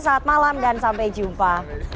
selamat malam dan sampai jumpa